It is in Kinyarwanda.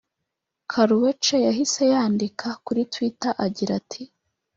Karrueche yahise yandika kuri twitter agira ati